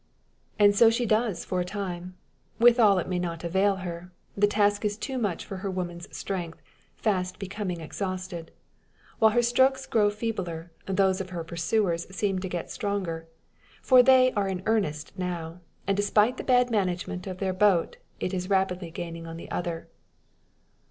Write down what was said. And so does she for a time. Withal it may not avail her. The task is too much for her woman's strength, fast becoming exhausted. While her strokes grow feebler, those of the pursuers seem to get stronger. For they are in earnest now; and, despite the bad management of their boat, it is rapidly gaining on the other.